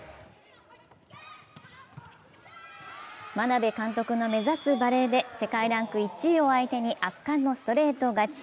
眞鍋監督の目指すバレーで世界ランク１位を相手に圧巻のストレート勝ち。